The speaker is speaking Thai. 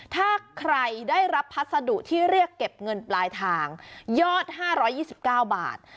ถ้าใครได้รับพัสดุที่เรียกเก็บเงินปลายทางยอด๕๒๙บาท